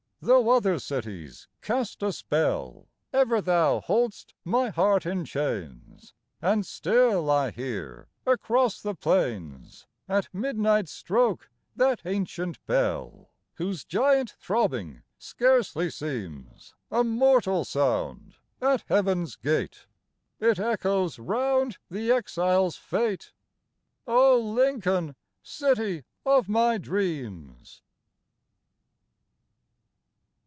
Though other cities cast a spell, Ever thou holdst my heart in chains; And still I hear across the plains At midnight's stroke that ancient bell Whose giant throbbing scarcely seems A mortal sound at Heaven's gate: It echoes round the exile's fate Oh Lincoln! City of my dreams!